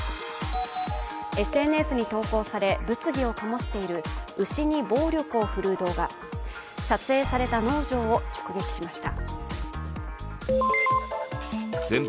ＳＮＳに投稿され物議を醸している牛に暴力を振るう動画、撮影された農場を直撃しました。